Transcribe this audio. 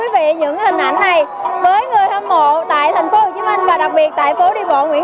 vâng xin chào bạn